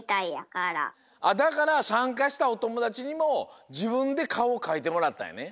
だからさんかしたおともだちにもじぶんでかおをかいてもらったんやね。